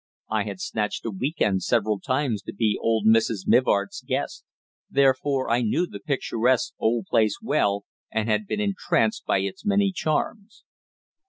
I had snatched a week end several times to be old Mrs. Mivart's guest; therefore I knew the picturesque old place well, and had been entranced by its many charms.